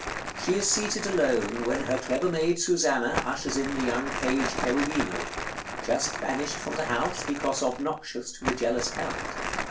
She is seated alone, when her clever maid Susanna ushers in the young page Cherubino, just banished from the house because obnoxious to the jealous Count.